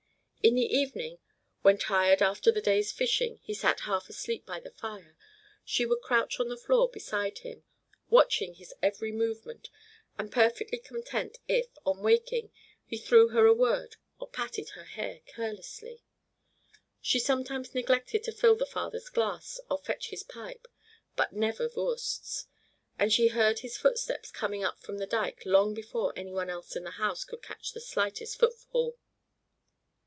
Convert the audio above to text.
In the evening, when tired after the day's fishing he sat half asleep by the fire, she would crouch on the floor beside him, watching his every movement, and perfectly content if, on waking, he threw her a word or patted her hair carelessly. She sometimes neglected to fill the father's glass or fetch his pipe, but never Voorst's; and she heard his footsteps coming up from the dike long before any one else in the house could catch the slightest footfall.